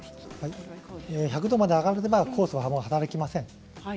１００度まで上がると酵素は働きません。